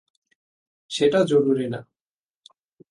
সেটা জরুরি না।